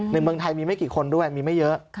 เมืองไทยมีไม่กี่คนด้วยมีไม่เยอะ